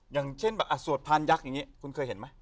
อย่างเช่นแบบสวดพานยักษ์อย่างนี้คุณเคยเห็นไหม